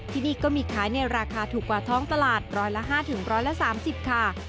ที่นี่ก็มีขายในราคาถูกกว่าท้องตลาดร้อยละ๕๑๓๐ค่ะ